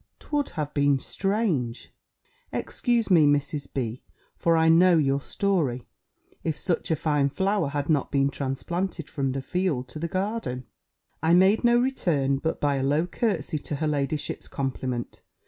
'Twould have been strange (excuse me, Mrs. B., for I know your story), if such a fine flower had not been transplanted from the field to the garden." I made no return, but by a low curtsey, to her ladyship's compliment.